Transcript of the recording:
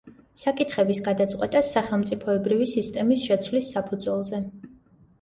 საკითხების გადაწყვეტას სახელმწიფოებრივი სისტემის შეცვლის საფუძველზე.